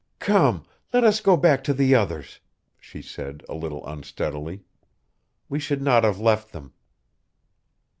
"Come; let us go back to the others," she said a little unsteadily. "We should not have left them."